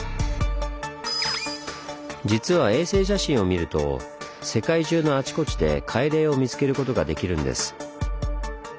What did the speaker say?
実は衛星写真を見ると世界中のあちこちで海嶺を見つけることができるんです。